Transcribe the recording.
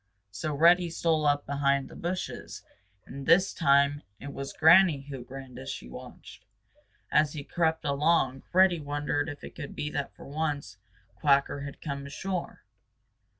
So Reddy stole up behind the bushes, and this time it was Granny who grinned as she watched. As he crept along, Reddy wondered if it could be that for once Quacker had come ashore.